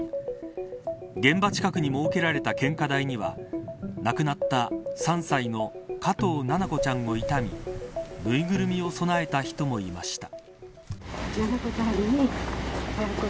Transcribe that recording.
現場近くに設けられた献花台には亡くなった３歳の加藤七菜子ちゃんを悼みぬいぐるみを供えた人もいました。